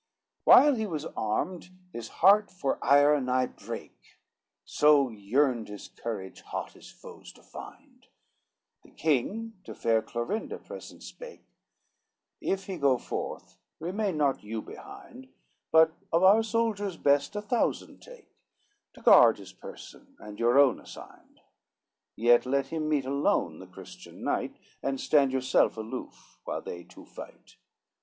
XXI While he was armed, his heart for ire nigh brake, So yearned his courage hot his foes to find: The King to fair Clorinda present spake; "If he go forth, remain not you behind, But of our soldiers best a thousand take, To guard his person and your own assigned; Yet let him meet alone the Christian knight, And stand yourself aloof, while they two fight."